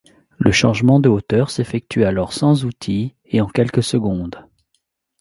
Le changement de hauteur s'effectue alors sans outil et en quelques secondes.